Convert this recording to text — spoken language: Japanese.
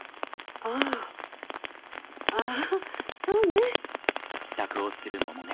ああああそうね。